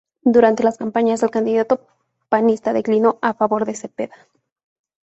Durante las campañas, el candidato panista declinó a favor de Zepeda.